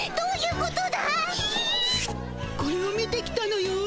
これを見て来たのよ。